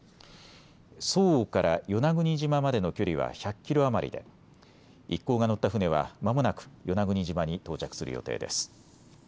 蘇澳から与那国島までの距離は１００キロ余りで一行が乗った船はまもなく与那国島に到着する予定です。